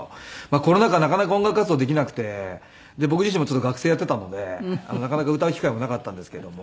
コロナ禍なかなか音楽活動できなくてで僕自身もちょっと学生やっていたのでなかなか歌う機会もなかったんですけども。